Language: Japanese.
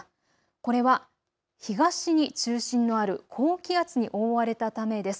これは東に中心のある高気圧に覆われたためです。